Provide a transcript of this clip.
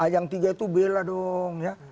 yang tiga itu bela dong ya